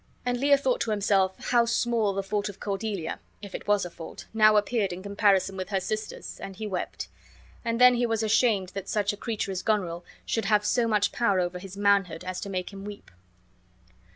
And Lear thought to himself how small the fault of Cordelia (if it was a fault) now appeared in comparison with her sister's, and he wept; and then he was ashamed that such a creature as Goneril should have so much power over his manhood as to make him weep.